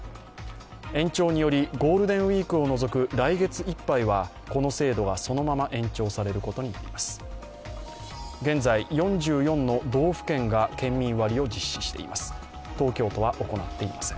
延長によりゴールデンウイークを除く来月いっぱいはこの制度がそのまま延長されることになります。